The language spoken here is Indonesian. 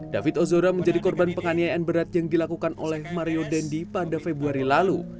david ozora menjadi korban penganiayaan berat yang dilakukan oleh mario dendi pada februari lalu